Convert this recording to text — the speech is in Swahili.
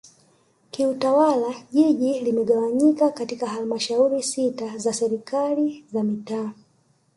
Kiutawala Jiji limegawanyika katika Halmashauri sita za Serikali za mitaa